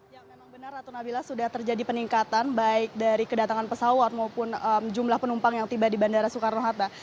ya memang benar ratu nabila sudah terjadi peningkatan baik dari kedatangan pesawat maupun jumlah penumpang yang tiba di bandara soekarno hatta